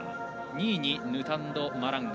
２位にヌタンド・マラング。